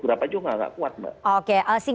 berapa juga nggak kuat mbak